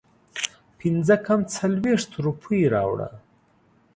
پنځه کم څلوېښت روپۍ راوړه